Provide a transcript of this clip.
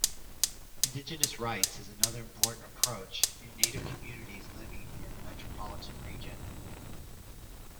Indigenous rights is another important approach in native communities living in the metropolitan region.